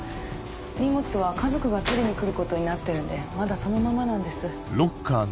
荷物は家族が取りに来ることになってるんでまだそのままなんです。